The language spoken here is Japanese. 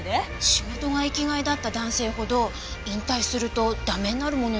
仕事が生きがいだった男性ほど引退するとダメになるものなんですねぇ。